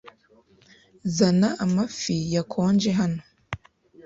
Zana amafi yakonje hano.